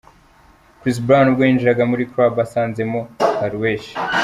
Chris Brown ubwo yinjiraga muri club asanzemo Karrueche.